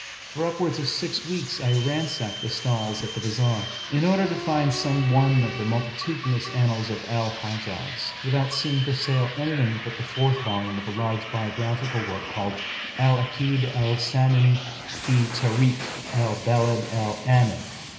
For upwards of six weeks, I ransacked the stalls and the bazar, in order to find some one of the multitudinous annals of Al Hijaz, without seeing for sale anything but the fourth volume of a large biographical work called al Akd al Samin fi Tarikh al Balad al Amin.